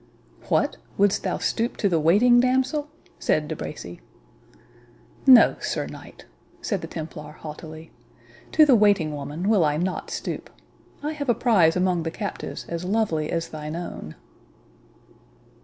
"What! wouldst thou stoop to the waiting damsel?" said De Bracy. "No, Sir Knight," said the Templar, haughtily. "To the waiting woman will I not stoop. I have a prize among the captives as lovely as thine own."